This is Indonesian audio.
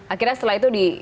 akhirnya setelah itu di